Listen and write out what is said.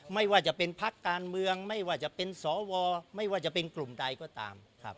ไม่ว่าจะเป็นพักการเมืองไม่ว่าจะเป็นสวไม่ว่าจะเป็นกลุ่มใดก็ตาม